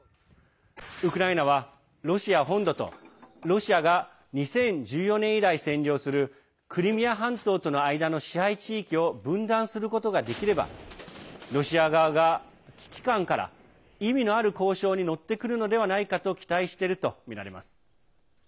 ウクライナはロシア本土とロシアが２０１４年以来占領するクリミア半島との間の支配地域を分断することができればロシア側が危機感から意味のある交渉に乗ってくるのではないかと期待しているとみられます。